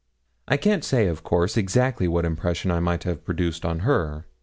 I can't say, of course, exactly what impression I may have produced on her.